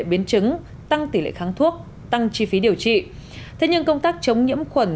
biến chứng tăng tỷ lệ kháng thuốc tăng chi phí điều trị thế nhưng công tác chống nhiễm khuẩn